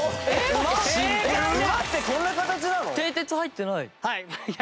ウマってこんな形なの？